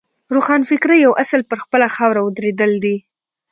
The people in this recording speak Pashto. روښانفکرۍ یو اصل پر خپله خاوره ودرېدل دي.